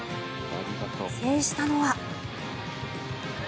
制したのは。